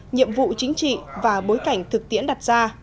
nhiệm vụ chính trị và bối cảnh thực tiễn đặt ra